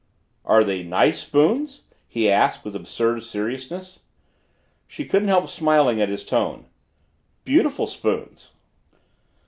"Are they nice spoons?" he asked with absurd seriousness. She couldn't help smiling at his tone. "Beautiful spoons."